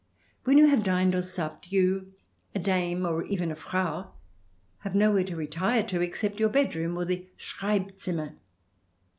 When you have dined or supped, you — a Dame, or even a Frau — have nowhere to retire to except your bedroom or the Schreibzimmer.